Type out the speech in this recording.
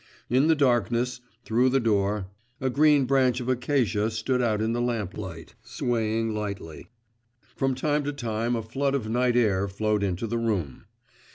In the darkness, through the door, a green branch of acacia stood out in the lamplight, swaying lightly; from time to time a flood of night air flowed into the room.